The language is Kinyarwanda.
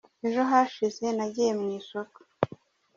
Ejo hashize nagiye mu isoko.